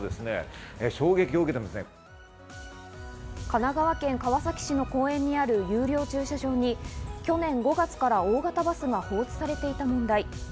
神奈川県川崎市の公園にある有料駐車場に去年５月から大型バスが放置されていた問題。